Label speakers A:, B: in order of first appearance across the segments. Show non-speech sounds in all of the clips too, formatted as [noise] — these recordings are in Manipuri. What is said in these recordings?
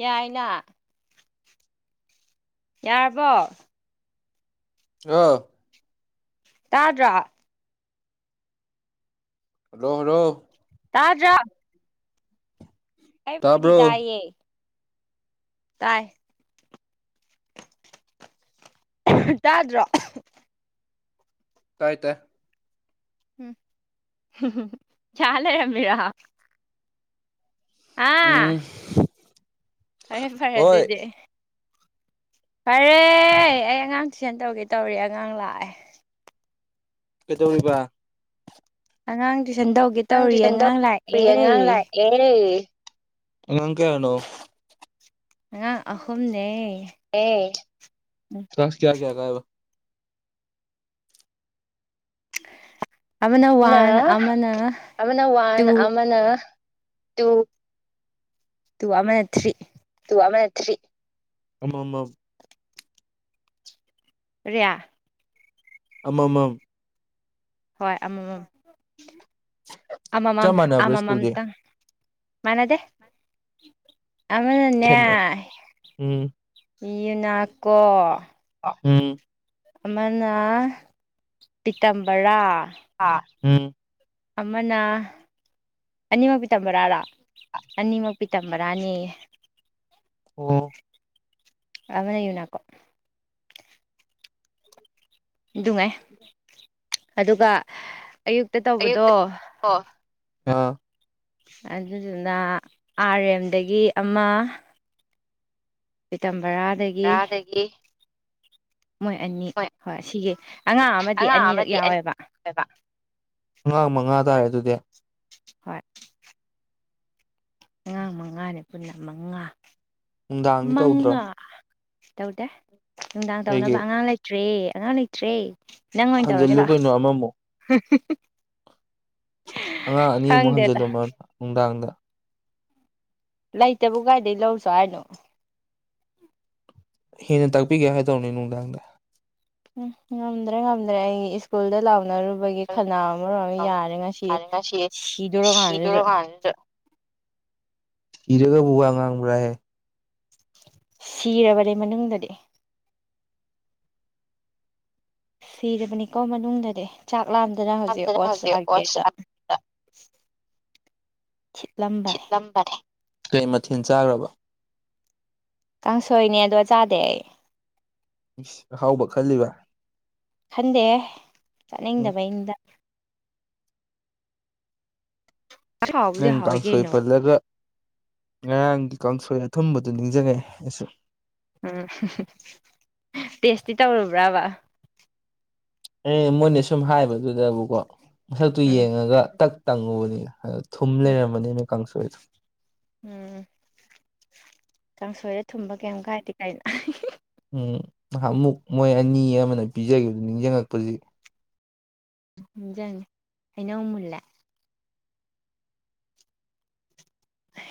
A: ꯌꯥꯏꯅ ꯌꯥꯔꯕꯣ
B: ꯆꯥ
A: ꯇꯥꯗ꯭ꯔꯥ
B: ꯍꯜꯂꯣ ꯍꯔꯣ
A: ꯇꯥꯗ꯭ꯔꯥ ꯑꯩꯕꯨꯗꯤ
B: ꯇꯥꯕ꯭ꯔꯣ
A: ꯇꯥꯏꯌꯦ ꯇꯥꯏ ꯇꯥꯗ꯭ꯔꯣ
B: ꯇꯥꯏ ꯇꯥꯢ
A: ꯍꯨꯝ ꯌꯥꯂꯩꯔꯝꯃꯤꯔ ꯑꯥ
B: ꯎꯝ꯫
A: ꯐꯔꯦ ꯐꯔꯦ
B: ꯍꯣꯏ
A: ꯑꯗꯨꯗꯤ ꯐꯔꯦ ꯑꯩ ꯑꯉꯥꯡ ꯇꯨꯢꯁꯟ ꯇꯧꯒꯦ ꯇꯧꯔꯤ ꯑꯉꯥꯡ ꯂꯥꯛꯑꯦ
B: ꯀꯩꯗꯧꯔꯤꯕ
A: ꯑꯉꯥꯡ ꯇꯨꯏꯁꯟ ꯇꯧꯒꯦ ꯇꯧꯔꯤ ꯑꯉꯥꯡ ꯂꯥꯛꯑꯦ
B: ꯑꯦ ꯑꯉꯥꯡ ꯀꯌꯥꯅꯣ
A: ꯑꯉꯥꯡ ꯑꯍꯨꯝꯅꯦ
B: ꯑꯦ ꯀ꯭ꯂꯥꯁ ꯀꯌꯥ ꯀꯌꯥ ꯀꯥꯢꯕ
A: ꯑꯃꯅ
B: ꯅ
A: ꯋꯥꯟ ꯑꯃꯅ
B: ꯑꯃꯅ ꯋꯥꯟ
A: ꯇꯨ
B: ꯑꯃꯅ ꯇꯨ
A: ꯇꯨ ꯑꯃꯅ ꯊ꯭ꯔꯤ
B: ꯇꯨ ꯑꯃꯅ ꯊ꯭ꯔꯤ ꯑꯃꯃꯝ
A: ꯔꯦꯌꯥ
B: ꯑꯃꯃꯝ
A: ꯍꯣꯏ ꯑꯃꯃꯝ ꯑꯃꯃꯝ
B: ꯆꯞ ꯃꯥꯟꯅꯕ꯭ꯔꯥ ꯁ꯭ꯀꯨꯜꯗꯤ
A: ꯑꯃꯃꯝꯇꯪ ꯃꯥꯅꯗꯦ ꯑꯃꯅꯥꯅꯦ
B: ꯈꯦꯠꯅ ꯎꯝ
A: ꯌꯨꯅꯥꯀꯣ
B: ꯑꯥ ꯎꯝ
A: ꯑꯃꯅ ꯄꯤꯇꯝꯕꯔꯥ
B: ꯍꯥ ꯎꯝ
A: ꯑꯃꯅ ꯑꯅꯤꯃꯛ ꯄꯤꯇꯝꯕꯔꯥꯔ ꯑꯅꯤꯃꯛ ꯄꯤꯇꯝꯕꯔꯥꯅꯦꯌꯦ
B: ꯑꯣ
A: ꯑꯅꯥ ꯌꯨꯅꯥꯀꯣ ꯗꯨꯡꯉꯥꯏ ꯑꯗꯨꯒ ꯑꯌꯨꯛꯇ ꯇꯧꯕꯗꯣ
B: ꯑꯌꯨꯛꯇ ꯑꯣ ꯑ
A: ꯑꯗꯨꯗꯨꯅ ꯑꯥꯔ ꯑꯦꯝ ꯗꯒꯤ ꯑꯃ ꯄꯤꯇꯝꯕꯔꯥꯗꯒꯤ
B: ꯇꯔꯥꯗꯒꯤ
A: ꯃꯣꯏ ꯑꯅꯤ ꯍꯣꯏ ꯁꯤꯒꯤ ꯑꯉꯥꯡ ꯑꯃꯗꯤ ꯑꯅꯤꯔꯛ
B: ꯑꯃꯗꯤ ꯑꯅꯤ
A: ꯌꯥꯎꯋꯦꯕ
B: ꯑꯣꯏꯕ꯫ ꯑꯉꯥꯡ ꯃꯉꯥ ꯇꯥꯔꯦ ꯑꯗꯨꯗꯤ
A: ꯍꯣꯏ ꯑꯉꯥꯡ ꯃꯉꯥꯅꯤ ꯄꯨꯟꯅ ꯃꯉꯥ
B: ꯅꯨꯡꯗꯥꯡꯗꯤ
A: ꯃꯉꯥ
B: ꯇꯧꯗ꯭ꯔꯣ
A: ꯇꯧꯗꯦ꯫ ꯅꯨꯡꯗꯥꯡ ꯇꯧꯅꯕ
B: ꯀꯩꯒꯤ
A: ꯑꯉꯥꯡ ꯂꯩꯇ꯭ꯔꯦ ꯑꯉꯥꯡ ꯂꯩꯇ꯭ꯔꯦ꯫ ꯅꯪ ꯑꯣꯏꯅ ꯇꯧꯔꯒꯦ
B: ꯍꯟꯖꯤꯜꯂꯨ
A: ꯂꯥꯛꯑꯣ
B: ꯀꯩꯅꯣ ꯑꯃꯃꯨꯛ ꯑꯉꯥꯡ ꯑꯅꯤꯃꯨꯛ
A: ꯈꯪꯗꯦꯗ
B: ꯍꯟꯖꯤꯜꯂꯝꯃꯨ ꯅꯨꯡꯗꯥꯡꯗ
A: ꯂꯩꯇꯕꯨ ꯀꯥꯏꯗꯩ ꯂꯧꯔꯨꯆꯣ ꯍꯥꯏꯅꯣ
B: ꯍꯦꯟꯅ ꯇꯥꯛꯄꯤꯒꯦ ꯍꯥꯏꯗꯧꯅꯦ ꯅꯨꯡꯗꯥꯡꯗ
A: ꯎꯝ ꯉꯝꯗ꯭ꯔꯦ ꯉꯝꯗ꯭ꯔꯦ ꯑꯩ ꯏꯁ꯭ꯀꯨꯜꯗ ꯂꯥꯎꯅꯔꯨꯕꯒꯤ ꯈꯅꯥꯎ ꯃꯔꯣꯟ ꯑꯃ ꯌꯥꯗ꯭ꯔꯤ ꯉꯁꯤ ꯁꯤꯗꯣꯔꯀꯥꯟꯖꯤꯗ
B: ꯍꯥꯟꯗꯥ ꯁꯤꯔꯒꯕꯨ ꯋꯥ ꯉꯥꯡꯕ꯭ꯔꯥꯍꯦ
A: ꯁꯤꯔꯕꯅꯦ ꯃꯅꯨꯡꯗꯗꯤ ꯁꯤꯔꯕꯅꯤꯀꯣ ꯃꯅꯨꯡꯗꯗꯤ ꯆꯥꯛ ꯂꯥꯝꯗꯅ ꯍꯧꯖꯤꯛ
B: ꯗꯅ
A: ꯑꯣꯁ ꯑꯥꯔꯒꯦꯗ [inaudible]
B: ꯋꯥꯠꯁꯑꯞꯇ
A: ꯁꯤꯠꯂꯝ
B: ꯁꯤꯠꯂꯝꯕꯅꯦ ꯀꯩ ꯃꯊꯦꯟ ꯆꯥꯒ꯭ꯔꯕ
A: ꯀꯥꯡꯁꯣꯏꯅꯦ ꯑꯗꯣ ꯆꯥꯗꯦ ꯑꯩ
B: ꯏꯁ ꯑꯍꯥꯎꯕ ꯈꯜꯂꯤꯕ
A: ꯈꯟꯗꯦꯍꯦ
B: ꯎꯝ
A: ꯆꯥꯅꯤꯡꯗꯕꯩꯅꯤꯗ ꯍꯥꯎꯕꯨꯗꯤ
B: ꯅꯪ
A: ꯍꯥꯎꯋꯤ
B: ꯀꯥꯡꯁꯣꯏ
A: ꯀꯩꯅꯣ
B: ꯄꯜꯂꯒ ꯉꯔꯥꯡꯒꯤ ꯀꯥꯡꯁꯣꯏ ꯑꯊꯨꯝꯕꯗꯨꯣ ꯅꯤꯡꯖꯡꯉꯛꯑꯦ ꯑꯩꯁꯨ
A: ꯎꯝ [unintelligible] ꯇꯦꯁꯇꯤ ꯇꯧꯔꯨꯕ꯭ꯔꯕ
B: ꯑꯦ ꯃꯣꯏꯅ ꯁꯨꯝ ꯍꯥꯏꯕꯗꯨꯗꯕꯨꯀꯣ ꯃꯁꯛꯇꯨ
A: ꯎꯝ
B: ꯌꯦꯡꯉꯒ ꯇꯛ ꯇꯪꯉꯨꯕꯅꯤ [unintelligible] ꯊꯨꯝ
A: ꯎꯝ
B: ꯂꯩꯔꯝꯃꯅꯦꯃꯤ ꯀꯥꯡꯁꯣꯏꯗꯣ
A: ꯎꯝ ꯀꯥꯡꯁꯣꯏꯔ ꯊꯨꯝꯕ ꯀꯩꯝ ꯀꯥꯏꯗꯦ ꯀꯩꯅꯣ [unintelligible]
B: ꯎꯝ ꯅꯍꯥꯟꯃꯨꯛ ꯃꯣꯏ ꯑꯅꯤ ꯑꯃꯅ ꯄꯤꯖꯒꯤꯕ ꯅꯤꯡꯁꯤꯡꯉꯛꯄꯖꯤ
A: ꯅꯤꯡꯖꯪ ꯍꯩꯅꯧ ꯃꯨꯜꯂꯦ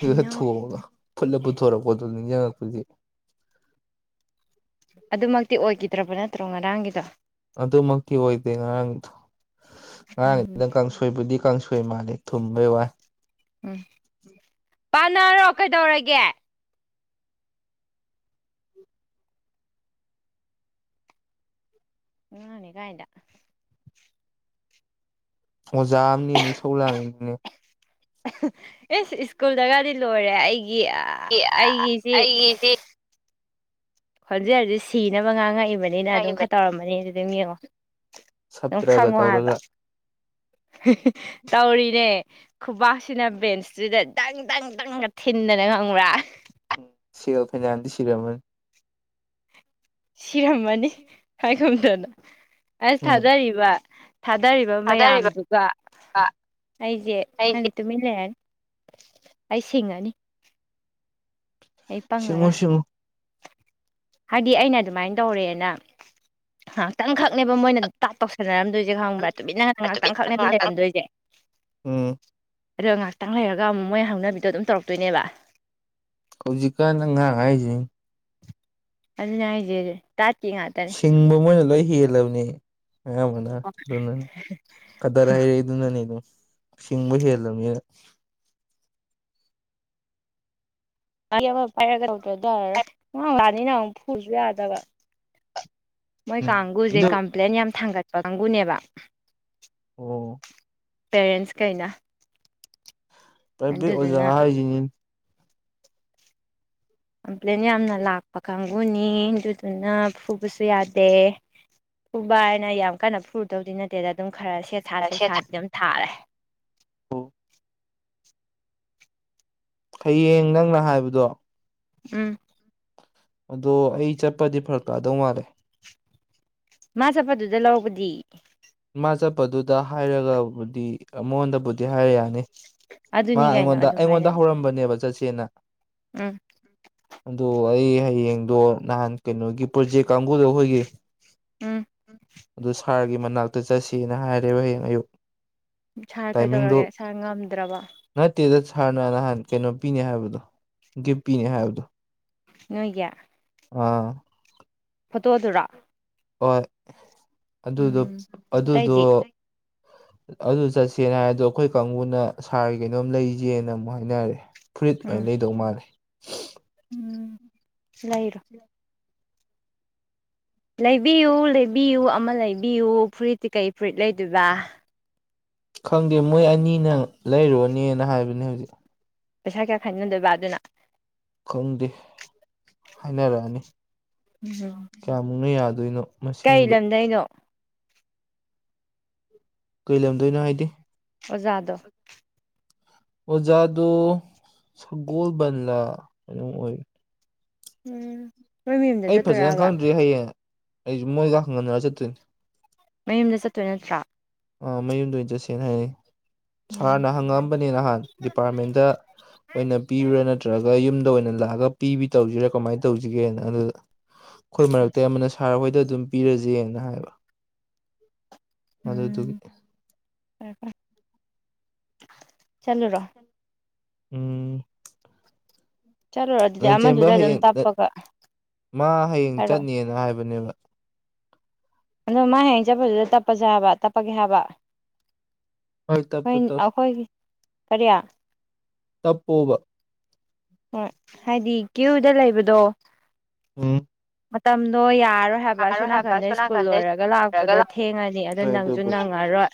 B: ꯑꯗꯨꯗ ꯊꯣꯡꯉꯒ ꯐꯨꯠꯂ ꯄꯨꯊꯣꯔꯛꯄꯗꯣ ꯅꯤꯡꯖꯡꯉꯛꯄꯖꯤ
A: ꯑꯗꯨꯃꯛꯇꯤ ꯑꯣꯏꯒꯤꯗ꯭ꯔꯕ ꯅꯠꯇ꯭ꯔꯣ ꯉꯔꯥꯡꯒꯤꯗꯣ
B: ꯑꯗꯨꯃꯛꯇꯤ ꯑꯣꯏꯗꯦ ꯉꯔꯥꯡꯗꯣ
A: ꯎꯝ
B: ꯉꯔꯥꯡꯗꯨꯅ ꯀꯥꯡꯁꯣꯏꯕꯨꯗꯤ ꯀꯥꯡꯁꯣꯏ ꯃꯥꯜꯂꯦ ꯊꯨꯝꯕꯩ ꯋꯥ
A: ꯎꯝ ꯄꯥꯟꯅꯔꯣ ꯀꯩꯗꯧꯔꯒꯦ ꯑꯉꯥꯡꯅꯦ ꯒꯥꯏꯅ
B: ꯑꯣꯖꯥꯝꯅꯦꯅ ꯏꯁꯧ ꯂꯥꯡꯉꯤꯅꯤꯅꯦ
A: [unintelligible] ꯏꯁ ꯁ꯭ꯀꯨꯜꯗꯒꯗꯤ ꯂꯣꯏꯔꯦ ꯑꯩꯒꯤ ꯑꯩꯒꯤꯁꯤ
B: ꯑꯩꯒꯤꯁꯦ
A: ꯈꯣꯟꯖꯦꯜꯖꯦ ꯁꯤꯅꯕ ꯉꯥꯡꯉꯛꯏꯕꯅꯤꯅ ꯑꯗꯨꯝ ꯈꯔ
B: ꯂꯩꯕꯅꯤ
A: ꯇꯧꯔꯝꯃꯅꯤ ꯑꯗꯨ ꯑꯗꯨꯝ ꯌꯦꯡꯉꯣ ꯑꯗꯨꯝ
B: ꯁꯞꯇ꯭ꯔꯒ
A: ꯈꯪꯉꯣꯕ ꯍꯥꯏꯕ
B: ꯇꯧꯔꯒ
A: [unintelligible] ꯇꯧꯔꯤꯅꯦ ꯈꯨꯕꯥꯛꯁꯤꯅ ꯕꯦꯟꯁꯇꯨꯗ ꯗꯪ ꯗꯪ ꯗꯪꯒ ꯊꯤꯟꯗꯅ ꯈꯪꯕ꯭ꯔ
B: ꯁꯦꯜ ꯐꯅꯤꯌꯥꯝꯗꯤ ꯁꯤꯔꯝꯃꯅꯤ
A: ꯁꯤꯔꯝꯃꯅꯤ ꯍꯥꯏꯒꯨꯝꯗꯅ ꯑꯁ
B: ꯎꯝ
A: ꯊꯥꯗꯔꯤꯕ ꯊꯥꯗꯔꯤꯕ
B: ꯊꯥꯗꯔꯤꯕ
A: ꯃꯌꯥꯝꯗꯨꯒ ꯑꯩꯖꯦ
B: ꯑꯩꯁꯦ
A: ꯈꯪꯗꯦ ꯇꯨꯃꯤꯟ ꯂꯩꯔꯅꯤ ꯑꯩ ꯁꯤꯡꯉꯅꯤ ꯑꯩ
B: ꯁꯤꯡꯉꯨ
A: ꯄꯪꯉꯔꯣꯏ
B: ꯁꯤꯡꯉꯨ
A: ꯍꯥꯏꯗꯤ ꯑꯩꯅ ꯑꯗꯨꯝꯃꯥꯏꯟ ꯇꯧꯔꯦꯅ ꯉꯥꯛꯇꯪꯈꯛꯅꯦꯕ ꯃꯣꯏꯅ ꯇꯥꯠ ꯇꯧꯁꯟꯅꯔꯝꯗꯣꯏꯖꯦ ꯈꯪꯕ꯭ꯔ ꯇꯨꯃꯤꯟꯅ ꯉꯥꯛꯇꯪ ꯈꯛꯅꯦꯕ ꯂꯩꯔꯝꯗꯣꯏꯖꯦ
B: ꯎꯝ
A: ꯑꯗꯨꯒ ꯉꯥꯛꯇꯪ ꯂꯩꯔꯒ ꯑꯃꯨꯛ ꯃꯣꯏ ꯍꯧꯅꯕꯤꯗꯣ ꯑꯗꯨꯝ ꯇꯧꯔꯛꯇꯣꯏꯅꯦꯕ
B: ꯍꯧꯖꯤꯛꯀꯥꯟ ꯑꯉꯥꯡ ꯍꯥꯏꯖꯦ
A: ꯑꯗꯨꯅꯦ ꯍꯥꯏꯖꯦ ꯇꯥꯠꯀꯤ ꯉꯥꯛꯇꯅꯦ
B: ꯕ ꯃꯣꯏꯅ ꯂꯣꯏ ꯍꯦꯜꯂꯝꯅꯦ ꯑꯌꯥꯝꯕꯅ ꯑꯗꯨꯅ ꯀꯗꯔ ꯍꯩꯔꯦ ꯑꯗꯨꯅꯅꯦ ꯑꯗꯨꯝ ꯁꯤꯡꯕ ꯍꯦꯜꯂꯝꯃꯤꯅ
A: [unintelligible] ꯑꯃ ꯄꯥꯏꯔꯒ ꯇꯧꯗ꯭ꯔꯗꯤ [unintelligible] ꯑꯃꯨꯛ ꯐꯨꯔꯨꯁꯨ ꯌꯥꯗꯕ ꯃꯣꯏ
B: ꯎꯝ
A: ꯀꯥꯡꯒꯨꯖꯦ
B: ꯑꯗꯨ
A: ꯀꯝꯄ꯭ꯂꯦꯟ ꯌꯥꯝ ꯊꯥꯡꯒꯠꯄ ꯀꯥꯡꯒꯨꯅꯦꯕ
B: ꯑꯣ
A: ꯄꯦꯔꯦꯟꯁ ꯀꯩꯅ
B: ꯄ꯭ꯔꯥꯏꯕꯦꯠ ꯑꯣꯖꯥ ꯍꯥꯏꯖꯤꯅꯤ
A: ꯀꯝꯄ꯭ꯂꯦꯟ ꯌꯥꯝꯅ ꯂꯥꯛꯄ ꯀꯥꯡꯒꯨꯅꯤ ꯑꯗꯨꯗꯨꯅ ꯐꯨꯕꯁꯨ ꯌꯥꯗꯦ ꯐꯨꯕ ꯍꯥꯏꯅ ꯌꯥꯝ ꯀꯟꯅ ꯐꯨꯔꯨꯗꯧꯗꯤ ꯅꯠꯇꯦꯗ ꯑꯗꯨꯝ ꯈꯔ ꯁꯦꯠ ꯁꯥ ꯁꯦꯠ
B: ꯑꯣ
A: ꯁꯥꯥꯗꯤ ꯑꯗꯨꯝ ꯊꯥꯔꯦ
B: ꯍꯌꯦꯡ ꯅꯪꯅ ꯍꯥꯏꯕꯗꯣ
A: ꯎꯝ
B: ꯑꯗꯣ ꯑꯩ ꯆꯠꯄꯗꯤ ꯐꯔꯛ ꯇꯥꯗꯧ ꯃꯥꯜꯂꯦ
A: ꯃꯥ ꯆꯄꯗꯨꯗ ꯂꯧꯕꯗꯤ
B: ꯃꯥ ꯆꯠꯄꯗꯨꯗ ꯍꯥꯏꯔꯒꯕꯨꯗꯤ ꯑ ꯃꯥꯉꯣꯟꯗꯕꯨꯗꯤ ꯍꯥꯏꯔ ꯌꯥꯅꯤ ꯃꯥ
A: ꯑꯗꯨꯅꯤ ꯀꯩꯅꯣ
B: ꯑꯩꯉꯣꯟꯗ ꯑꯩꯉꯣꯟꯗ
A: ꯑꯗꯨꯃꯥꯏꯅ
B: ꯍꯧꯔꯝꯕꯅꯦꯕ ꯆꯠꯁꯦꯅ
A: ꯎꯝ
B: ꯑꯗꯣ ꯑꯩ ꯍꯌꯦꯡꯗꯣ ꯅꯍꯥꯟ ꯀꯩꯅꯣꯒꯤ ꯄ꯭ꯔꯣꯖꯦꯛ ꯀꯥꯡꯕꯨꯗ ꯑꯩꯈꯣꯏꯒꯤ
A: ꯎꯝ
B: ꯑꯗꯨ ꯁꯥꯔꯒꯤ ꯃꯅꯥꯛꯇ ꯆꯠꯁꯦꯅ ꯍꯥꯏꯔꯦꯕ ꯍꯌꯦꯡ ꯑꯌꯨꯛ
A: ꯁꯥꯔ
B: ꯇꯥꯏꯃꯤꯡꯗꯣ
A: ꯀꯩꯗꯧꯔꯒꯦ ꯁꯥꯔ ꯉꯝꯗ꯭ꯔꯕ
B: ꯅꯠꯇꯦꯗ ꯁꯥꯔꯅ ꯅꯍꯥꯟ ꯀꯩꯅꯣ ꯄꯤꯅꯦ ꯍꯥꯏꯕꯗꯣ ꯒꯤꯐ ꯄꯤꯅꯦ ꯍꯥꯏꯕꯗꯣ
A: ꯅꯣꯏꯒꯤ
B: ꯑꯥ
A: ꯐꯣꯇꯣꯗꯨꯔꯣ
B: ꯍꯣꯏ ꯑꯗꯨꯗꯣ
A: ꯎꯝ
B: ꯑꯗꯨꯗꯣ
A: ꯑꯇꯩꯗꯤ
B: ꯑꯗꯨ ꯆꯠꯁꯦꯅ ꯍꯥꯏ ꯑꯗꯣ ꯑꯩꯈꯣꯏ ꯀꯥꯡꯕꯨꯅ ꯁꯥꯔꯒꯤ ꯀꯩꯅꯣꯝ ꯂꯩꯁꯦꯅ ꯑꯃꯨꯛ ꯍꯥꯏꯅꯔꯦ ꯐꯨꯔꯤꯠ
A: ꯎꯝ
B: ꯑꯣꯏꯅ ꯂꯩꯗꯧ ꯃꯥꯜꯂꯦ
A: ꯎꯝ ꯂꯩꯔꯣ
B: [unintelligible]
A: ꯂꯩꯕꯤꯌꯨ ꯂꯩꯕꯤꯌꯨ ꯑꯃ ꯂꯩꯕꯤꯌꯨ ꯐꯨꯔꯤꯠꯇꯤ ꯀꯩ ꯐꯨꯔꯤꯠ ꯂꯩꯗꯣꯏꯕ
B: ꯈꯪꯗꯦ ꯃꯣꯏ ꯑꯅꯤꯅ ꯂꯩꯔꯨꯔꯅꯤꯅ ꯍꯥꯏꯕꯅꯦ ꯍꯧꯖꯤꯛ
A: ꯄꯩꯁꯥ ꯀꯌꯥ ꯈꯥꯏꯅꯗꯣꯏꯕ ꯑꯗꯨꯅ
B: ꯈꯪꯗꯦ ꯍꯥꯏꯅꯔꯛꯑꯅꯤ
A: ꯎꯝ
B: ꯀꯌꯥꯃꯨꯛꯅ ꯌꯥꯗꯣꯏꯅꯣ
A: ꯀꯩ
B: ꯃꯁꯤꯡꯗꯣ
A: ꯂꯝꯗꯩꯅꯣ
B: ꯀꯩꯂꯝꯗꯣꯏꯅꯣ ꯍꯥꯏꯗꯤ
A: ꯑꯣꯖꯥꯗꯣ
B: ꯑꯣꯖꯥꯗꯣ ꯁꯒꯣꯜꯕꯟꯂꯥ ꯑꯗꯨꯝ ꯑꯣꯏ
A: ꯎꯝ ꯅꯣꯏ ꯃꯌꯨꯝꯗ
B: ꯑꯩ ꯐꯖꯅ
A: ꯆꯠꯇꯣꯏꯔꯕ
B: ꯈꯪꯗ꯭ꯔꯤ ꯍꯥꯌꯦꯡ ꯑꯩꯁꯨ ꯃꯣꯏꯒ ꯍꯪꯒꯅ꯭ꯔ ꯆꯠꯇꯣꯏꯅꯦ
A: ꯃꯌꯨꯝꯗ ꯆꯠꯇꯣꯏ ꯅꯠꯇ꯭ꯔꯥ
B: ꯑꯥ ꯃꯌꯨꯝꯗ ꯑꯣꯏ ꯆꯠꯁꯦꯅ ꯍꯥꯏꯔꯑꯦ
A: ꯎꯝ
B: ꯁꯥꯔꯅ ꯍꯪꯉꯛꯑꯝꯕꯅꯦ ꯅꯍꯥꯟ ꯗꯤꯄꯥꯔꯠꯃꯦꯟꯗ ꯑꯣꯏꯅ ꯄꯤꯕꯔꯥ ꯅꯠꯇ꯭ꯔꯒ ꯌꯨꯝꯗ ꯑꯣꯏꯅ ꯂꯥꯛꯑꯒ ꯄꯤꯕꯤ ꯇꯧꯖꯤꯔꯥ ꯀꯃꯥꯏ ꯇꯧꯖꯤꯒꯦꯅ ꯑꯗꯨꯗ ꯈꯣꯏ ꯃꯔꯛꯇꯩ ꯑꯃꯥꯅ ꯁꯥꯔ ꯍꯣꯏꯗ ꯑꯗꯨꯝ ꯄꯤꯔꯖꯦꯅ ꯍꯥꯏꯕ ꯑꯗꯨꯗꯨꯒꯤ
A: ꯎꯝ ꯐꯔꯦ ꯐ꯭ꯔꯦ ꯆꯠꯂꯨꯔꯣ
B: ꯎꯝ
A: ꯆꯠꯂꯨꯔꯣ ꯑꯗꯨꯗꯤ
B: ꯂꯟꯆꯦꯝꯕ
A: ꯑꯃꯗꯨꯗ ꯑꯗꯨꯝ
B: ꯍꯥꯌꯦꯡ ꯇꯥ
A: ꯇꯞꯄꯒ
B: ꯃꯥ ꯍꯥꯌꯦꯡ
A: ꯍꯥꯏꯔꯛꯑꯣ
B: ꯆꯠꯅꯦꯅ ꯍꯥꯏꯕꯅꯦꯕ
A: ꯑꯗꯨ ꯃꯥ ꯍꯌꯦꯡ ꯆꯠꯄꯗꯨꯗ ꯇꯞꯄꯖꯦ ꯍꯥꯏꯕ ꯇꯞꯄꯒꯦ ꯍꯥꯏꯕ
B: ꯍꯣꯏ ꯇꯞꯄꯣ
A: ꯑꯩꯈꯣꯏ
B: ꯇꯞ
A: ꯑꯩꯈꯣꯏꯒꯤ ꯀꯔꯤ
B: ꯇꯞꯄꯣꯕ
A: ꯍꯣꯏ ꯍꯥꯏꯗꯤ ꯀ꯭ꯌꯨꯗ ꯂꯩꯕꯗꯣ
B: ꯎꯝ
A: ꯃꯇꯝꯗꯣ ꯌꯥꯔꯔꯣꯏ ꯍꯥꯏꯕ
B: ꯌꯥꯔꯣꯏ
A: ꯁꯣꯟ ꯅꯥꯀꯟꯗ
B: ꯑꯁꯣꯝ
A: ꯁ꯭ꯀꯨꯜ
B: ꯅꯥꯀꯟꯗꯩ
A: ꯂꯣꯏꯔꯒ
B: ꯔꯒ
A: ꯂꯥꯛꯄꯗꯥ
B: ꯂꯥꯛ
A: ꯊꯦꯡꯉꯅꯤ ꯑꯗ
B: ꯍꯣꯏ
A: ꯅꯪꯖꯨ
B: ꯑꯗꯨꯕꯨꯗꯤ
A: ꯅꯪꯉꯔꯣꯏ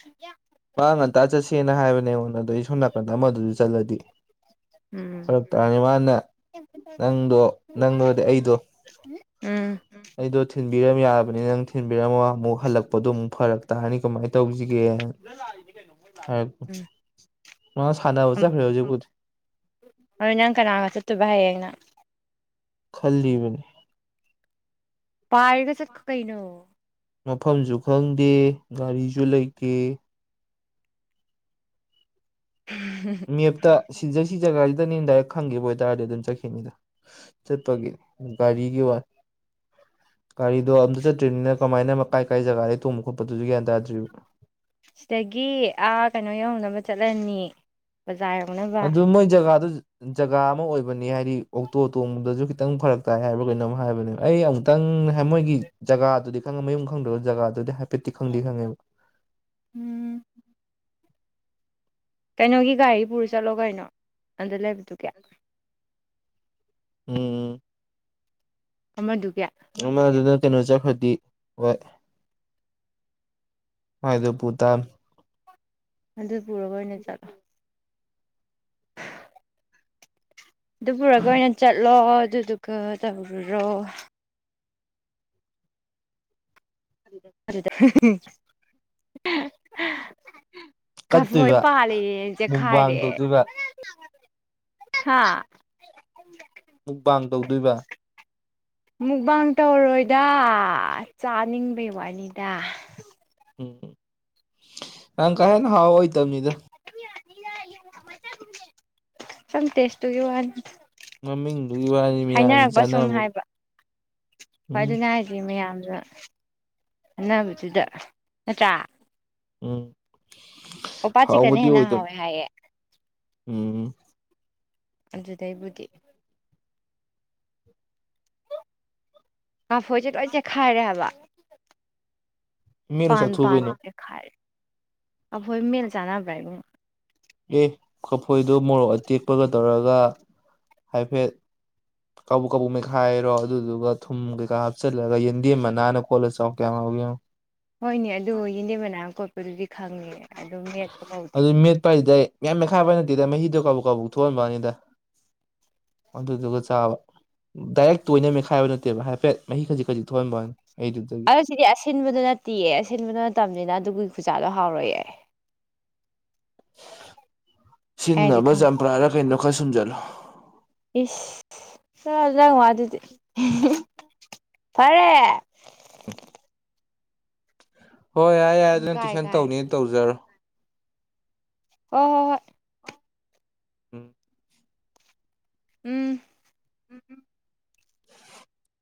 B: ꯃꯥ ꯉꯟꯇ ꯆꯠꯁꯦꯅ ꯍꯥꯏꯕꯅꯦ ꯑꯩꯉꯣꯟꯗ ꯑꯗꯣ ꯑꯩ ꯁꯣꯝ ꯅꯥꯀꯟꯗ ꯑꯃꯥ ꯗꯨꯖꯨ ꯆꯠꯂꯗꯤ
A: ꯎꯝ
B: ꯐꯔꯛ ꯇ꯭ꯔꯔꯦ ꯃꯥꯅ ꯅꯪꯗꯣ ꯅꯪꯗꯣꯗꯤ ꯑꯩꯗꯣ
A: ꯎꯝ
B: ꯑꯩꯗꯣ ꯊꯤꯟꯕꯤꯔꯝ ꯌꯥꯕꯅꯦ ꯅꯪ ꯊꯤꯟꯕꯤꯔꯝꯃ ꯃꯨꯛ ꯍꯜꯂꯛꯄꯗꯣ ꯑꯃꯨꯛ ꯐꯔꯛ ꯇꯥꯔꯅꯤ ꯀꯃꯥꯏ ꯇꯧꯖꯤꯒꯦꯅ ꯍꯥꯏ
A: ꯎꯝ
B: ꯃꯥ ꯁꯥꯟꯅꯕ ꯆꯠꯈ꯭ꯔꯦ ꯍꯧꯖꯤꯛꯕꯨꯗꯤ
A: ꯍꯣꯏ ꯅꯪ ꯀꯅꯥꯒ ꯆꯠꯇꯣꯕ ꯍꯌꯦꯡꯅ
B: ꯈꯜꯂꯤꯕꯅꯦ
A: ꯄꯥꯏꯔꯒ ꯆꯠꯈꯣ ꯀꯩꯅꯣ
B: ꯃꯐꯝꯖꯨ ꯈꯪꯗꯦ ꯒꯥꯔꯤꯖꯨ ꯂꯩꯇꯦ
A: [unintelligible]
B: ꯃꯦꯞꯇ ꯁꯤꯖꯦ ꯁꯤ ꯖꯒꯥꯖꯤꯗꯅꯦ ꯗꯥꯏꯔꯦꯛ ꯈꯪꯒꯤꯕ ꯑꯣꯏꯇꯥꯔꯗꯤ ꯑꯗꯨꯝ ꯆꯠꯈꯤꯕꯤꯗꯣ ꯆꯠꯄꯒꯤ ꯒꯥꯔꯤꯒꯤ ꯋꯥꯅꯦ ꯒꯥꯔꯤꯗꯣ ꯑꯝꯇ ꯆꯠꯇ꯭ꯔꯤꯝꯅꯤꯅ ꯀꯃꯥꯏꯅ ꯀꯥꯏ ꯀꯥꯏ ꯖꯒꯥꯗꯩ ꯇꯣꯡꯕ ꯈꯣꯠꯄꯗꯨꯖꯨ ꯒ꯭ꯌꯥꯟ ꯇꯥꯗ꯭ꯔꯤꯕ
A: ꯁꯤꯗꯒꯤ ꯑꯥ ꯀꯩꯅꯣ ꯌꯧꯅꯕ ꯆꯠꯂꯅꯤ ꯕꯖꯥꯔ ꯌꯧꯅꯕ
B: ꯑꯗꯨ ꯃꯣꯏ ꯖꯒꯥꯗꯨ ꯖꯒꯥ ꯑꯃꯥ ꯑꯣꯏꯕꯅꯤ ꯍꯥꯏꯗꯤ ꯑꯣꯛꯇꯣ ꯇꯣꯡꯕꯗꯁꯨ ꯈꯤꯇꯪ ꯐꯔꯛ ꯇꯥꯏ ꯍꯥꯏꯕ꯭ꯔ ꯀꯩꯅꯣꯝ ꯍꯥꯏꯕꯅꯦꯕ ꯑꯩ ꯑꯃꯨꯛ ꯇꯪ ꯍꯥꯏ ꯃꯣꯏꯒꯤ ꯖꯒꯥꯗꯨꯗꯤ ꯈꯪꯉ ꯃꯌꯨꯝ ꯈꯪꯗ꯭ꯔꯖꯨ ꯖꯒꯥꯗꯨꯗꯤ ꯍꯥꯏꯐꯦꯠꯇꯤ ꯈꯪꯗꯤ ꯈꯪꯉꯦꯕ
A: ꯎꯝ ꯀꯩꯅꯣꯒꯤ ꯒꯥꯔꯤ ꯄꯨꯔ ꯆꯠꯂꯣ ꯀꯩꯅꯣ ꯑꯥꯗ ꯂꯩꯕꯗꯨꯒꯤ
B: ꯎꯝ
A: ꯑꯃꯥꯗꯨꯒꯤ
B: ꯑꯃꯥꯗꯨꯅ ꯀꯩꯅꯣ ꯆꯠꯈ꯭ꯔꯗꯤ ꯍꯣꯏ ꯃꯥꯏꯗꯨ ꯄꯨ ꯇꯥꯔꯦ
A: ꯑꯗꯨ ꯄꯨꯔꯒ ꯑꯣꯏꯅ ꯆꯠꯂꯣ ꯑꯗꯨ ꯄꯨꯔꯒ ꯑꯣꯏꯅ ꯆꯠꯂꯣ ꯑꯗꯨꯗꯨꯒ ꯇꯧꯔꯨꯔꯣ
B: [inaudible]
A: ꯑꯗꯨꯗꯥ [unintelligible] ꯀꯥꯝꯐꯣꯏ
B: ꯀꯠꯇꯣꯏꯕ
A: ꯄꯥꯜꯂꯦꯌꯦ
B: ꯃꯨꯛꯕꯥꯡ
A: ꯆꯦꯛꯈꯥꯏꯔꯦ
B: ꯇꯧꯗꯣꯏꯕ
A: ꯍꯥꯥ
B: ꯃꯨꯛꯕꯥꯡ ꯇꯧꯗꯣꯏꯕ
A: ꯃꯨꯛꯕꯥꯡ ꯇꯧꯔꯣꯏꯗꯥ ꯆꯥꯅꯤꯡꯕꯩ ꯋꯥꯅꯤꯗ
B: ꯎꯝ ꯅꯪ ꯀꯥ ꯍꯦꯟ ꯍꯥꯎ ꯑꯣꯢꯗꯥꯃꯤꯗ
A: [unintelligible] ꯁꯨꯝ ꯇꯥꯁ ꯇꯨꯒꯤ ꯋꯥꯅꯦ
B: ꯃꯃꯤꯡꯗꯨꯒꯤ ꯋꯥꯅꯤ ꯃꯌꯥꯝꯅ ꯆꯥꯟꯅꯕꯩ
A: ꯑꯗꯨꯅꯦ ꯍꯥꯏꯖꯦ ꯃꯌꯥꯝꯅ ꯉꯥꯡꯅꯕꯗꯨꯗ ꯅꯠꯇ꯭ꯔꯥ
B: ꯎꯝ
A: ꯑꯣꯄꯥꯥ ꯆꯤꯀꯟꯅ
B: ꯍꯥꯎꯕꯗꯤ
A: ꯍꯦꯟꯅ
B: ꯑꯣꯏꯗꯕ
A: ꯍꯥꯎꯋꯦ ꯍꯥꯏꯌꯦ
B: ꯎꯝ
A: ꯑꯗꯨꯗꯩꯕꯨꯗꯤ ꯀꯥꯝꯐꯣꯏꯖꯦ ꯂꯣꯏ ꯆꯦꯈꯥꯏꯔꯦ ꯍꯥꯏꯕ
B: ꯃꯦꯠꯂ
A: ꯄꯥꯟꯕꯨ
B: ꯆꯥꯊꯣꯛꯎ ꯀꯩꯅꯣ
A: ꯄꯥꯟꯂꯥꯗꯤ ꯈꯥꯔꯦ ꯀꯝꯐꯣꯢ ꯃꯦꯠꯂ ꯆꯥꯅꯕ꯭ꯔꯥ ꯏꯕꯨꯡꯉꯣ
B: ꯑꯦ ꯀꯝꯐꯣꯏꯗꯣ ꯃꯣꯔꯣꯛ ꯑꯇꯦꯛꯄꯒ ꯇꯧꯔꯒ ꯍꯥꯏꯐꯦꯠ ꯀꯕꯨꯛ ꯀꯕꯨꯛ ꯃꯦꯈꯥꯏꯔꯣ ꯑꯗꯨꯗꯨꯒ ꯊꯨꯝ ꯀꯩꯀꯥ ꯍꯥꯞꯆꯜꯂꯒ ꯌꯦꯟꯗꯦꯝ ꯃꯅꯥꯅ ꯀꯣꯠꯂ ꯆꯥꯎ ꯀꯌꯥꯝ ꯍꯥꯎꯒꯦ ꯌꯦꯡꯉꯣ
A: ꯍꯣꯏꯅꯦ ꯑꯗꯨ ꯌꯦꯟꯗꯦꯝ ꯃꯅꯥ ꯀꯣꯠꯄꯗꯨꯗꯤ ꯈꯪꯉꯦ ꯑꯗꯨ ꯃꯦꯠꯄ ꯀꯧꯗꯦ
B: ꯑꯗꯨ ꯃꯦꯠꯄ ꯍꯥꯏꯗꯨꯗ ꯃꯌꯥꯝ ꯃꯦꯠꯈꯥꯏꯕ ꯅꯠꯇꯦꯗ ꯃꯍꯤꯗꯣ ꯀꯥꯕꯨꯛ ꯀꯥꯕꯨꯛ ꯊꯣꯛꯍꯟꯕ ꯋꯥꯅꯤꯗ ꯑꯗꯨꯗꯨꯒ ꯆꯥꯕ ꯗꯥꯏꯔꯦꯛ ꯇꯣꯏꯅ ꯃꯦꯈꯥꯏꯕ ꯅꯠꯇꯦꯕ ꯍꯥꯏꯐꯦꯠ ꯃꯍꯤ ꯈꯖꯤꯛ ꯈꯖꯤꯛ ꯊꯣꯛꯍꯟꯕꯥꯟ ꯑꯩꯗꯨꯗ
A: ꯈꯣꯢꯁꯤꯗꯤ ꯑꯁꯤꯟꯕꯗꯨ ꯅꯠꯇꯤꯌꯦ ꯑꯁꯤꯟꯕꯗꯣ ꯅꯠꯇꯝꯅꯤꯅ ꯑꯗꯨꯒꯤ ꯈꯨꯆꯥꯗꯣ ꯍꯥꯎꯔꯣꯢꯌꯦ ꯍꯥꯏꯁꯦ
B: ꯁꯤꯟꯅꯕ
A: ꯈꯪꯕ꯭ꯔꯥ
B: ꯆꯄ꯭ꯔꯥꯔ ꯀꯩꯅꯣ ꯈꯔ ꯁꯨꯝꯖꯜꯂꯣ
A: ꯏꯁ ꯆꯜꯂ ꯅꯪ ꯋꯥꯗꯨꯗꯤ ꯍꯤꯍꯤ ꯐꯔꯦ
B: [inaudible] ꯍꯣꯏ ꯌꯥꯢ ꯌꯥꯢ
A: ꯎꯝ
B: ꯅꯪ
A: ꯀꯥꯏ
B: ꯇꯨꯏꯁꯟ
A: ꯀꯥꯏꯔꯦ
B: ꯇꯧꯅꯤ ꯇꯧꯖꯔꯣ
A: ꯍꯣ ꯍꯣꯏ ꯍꯣꯏ
B: [inaudible]
A: ꯎꯝ
B: [inaudible]